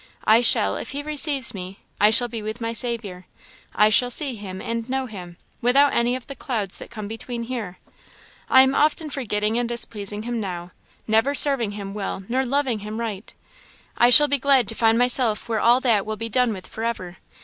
I shall, if he receives me, I shall be with my Saviour; I shall see him and know him, without any of the clouds that come between here. I am often forgetting and displeasing him now never serving him well nor loving him right. I shall be glad to find myself where all that will be done with for ever.